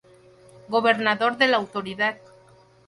Gobernador de la Autoridad.